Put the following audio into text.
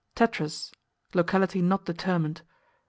Tetras Locality not determined.